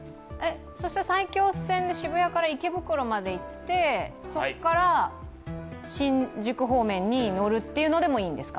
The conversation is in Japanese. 埼京線で渋谷から池袋に行ってそこから新宿方面に乗るというのでもいいんですか。